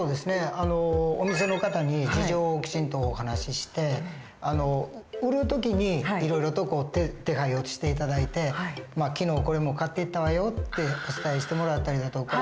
お店の方に事情をきちんとお話しして売る時にいろいろと手配をして頂いて昨日これもう買っていったわよってお伝えしてもらったりだとか。